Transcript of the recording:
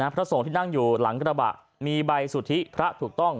พระสงฆ์ที่นั่งอยู่หลังกระบะมีใบสุทธิพระถูกต้อง